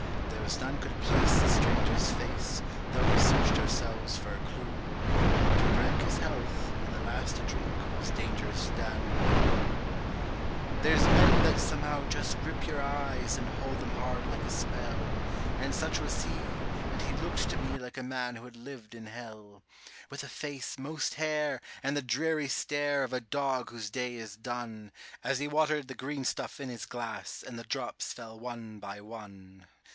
There was none could place the stranger's face, though we searched ourselves for a clue; But we drank his health, and the last to drink was Dangerous Dan McGrew. There's men that somehow just grip your eyes, and hold them hard like a spell; And such was he, and he looked to me like a man who had lived in hell; With a face most hair, and the dreary stare of a dog whose day is done, As he watered the green stuff in his glass, and the drops fell one by one.